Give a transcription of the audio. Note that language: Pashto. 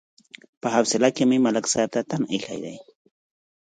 په حوصله کې مې ملک صاحب ته تن ایښی دی.